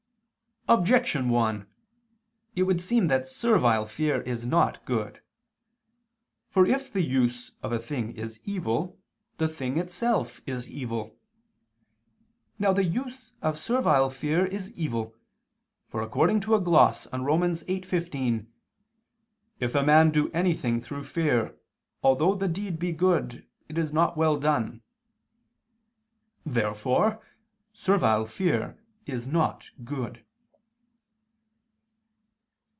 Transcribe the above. Objection 1: It would seem that servile fear is not good. For if the use of a thing is evil, the thing itself is evil. Now the use of servile fear is evil, for according to a gloss on Rom. 8:15, "if a man do anything through fear, although the deed be good, it is not well done." Therefore servile fear is not good.